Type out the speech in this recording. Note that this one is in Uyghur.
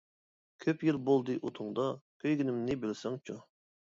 كۆپ يىل بولدى ئوتۇڭدا، كۆيگىنىمنى بىلسەڭچۇ.